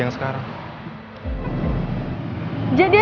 nggak mau ngerti